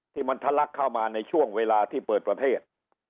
ที่มันทะลักเข้ามาในช่วงเวลาที่เปิดประเทศ